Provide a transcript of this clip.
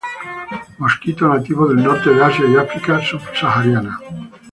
Mosquito nativo del norte de Asia, y África subsahariana.